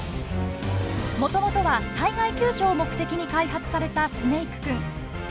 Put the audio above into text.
もともとは災害救助を目的に開発されたスネイクくん。